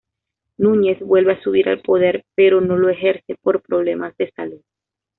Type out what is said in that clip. Núñez vuelve a subir al poder, pero no lo ejerce por problemas de salud.